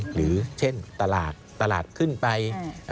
หรือเช่นตลาดขึ้นไป๕